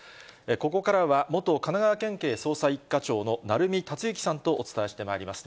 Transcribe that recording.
ここからは元神奈川県警捜査一課長の鳴海達之さんとお伝えしてまいります。